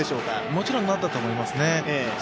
もちろんなったと思いますね。